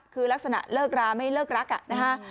คือลักษณะเลิกราไม่เลิกรักนะฮะ